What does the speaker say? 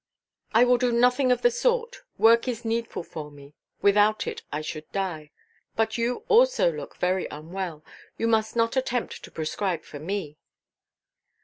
"I will do nothing of the sort; work is needful for me—without it I should die. But you also look very unwell. You must not attempt to prescribe for me."